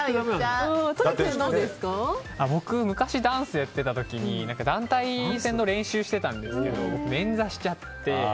僕、昔ダンスやってた時に団体戦の練習してたんですけど捻挫しちゃって。